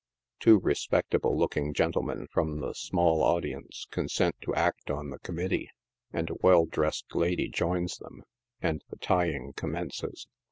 Two respecta ble looking gentlemen from the small audience consent to act on the committee, and a well dressed lady joins them, and the tying commences.